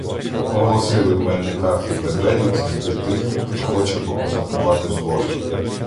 Оголосили в Мельниках і Медведівці збір тих, хто хоче "покозакувати" з возом.